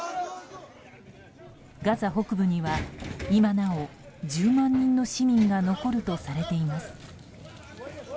ガザ北部には今なお１０万人の市民が残るとされています。